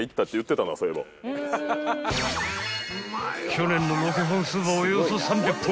［去年のロケ本数はおよそ３００本］